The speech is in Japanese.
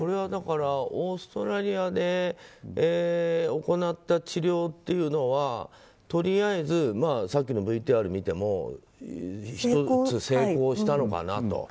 だからオーストラリアで行った治療というのはとりあえずさっきのＶＴＲを見ても１つ成功したのかなと。